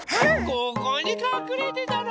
ここにかくれてたの！